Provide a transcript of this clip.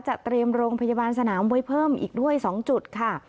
เตรียมโรงพยาบาลสนามไว้เพิ่มอีกด้วย๒จุดค่ะ